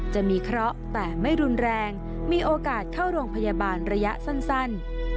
จะมีเคราะห์แต่ไม่รุนแรงมีโอกาสเข้าโรงพยาบาลระยะสั้น